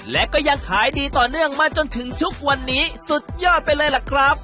และก็ยังขายดีต่อเนื่องมาจนถึงทุกวันนี้สุดยอดไปเลยล่ะครับ